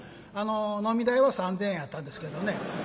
飲み代は３，０００円やったんですけどね。